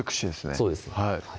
そうです